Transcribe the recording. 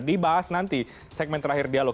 dibahas nanti segmen terakhir dialog